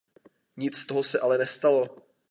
Nic z toho se ale nestalo.